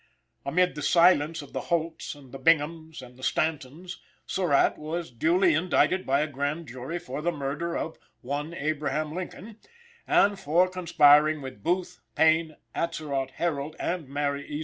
Amid the silence of the Holts and the Binghams and the Stantons, Surratt was duly indicted by a grand jury for the murder of "one Abraham Lincoln," and for conspiring with Booth, Payne, Atzerodt, Herold and Mary E.